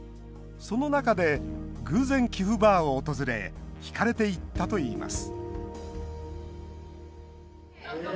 その中で偶然、キフバーを訪れ引かれていったといいます